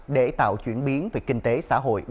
để tạo chuyển biến về kinh tế xã hội